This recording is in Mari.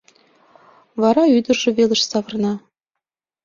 Вара ӱдыржӧ велыш савырна.